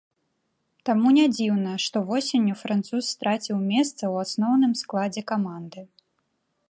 Таму не дзіўна, што восенню француз страціў месца ў асноўным складзе каманды.